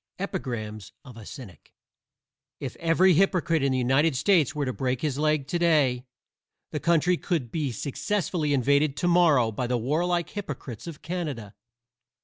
EPIGRAMS OF A CYNIC If every hypocrite in the United States were to break his leg to day the country could be successfully invaded to morrow by the warlike hypocrites of Canada.